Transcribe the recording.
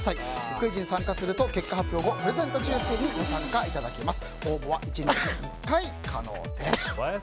クイズに参加すると、結果発表後プレゼント抽選にご参加いただけます。